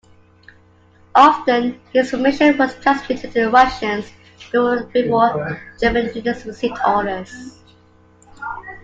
Often, his information was transmitted to the Russians before the German units received orders.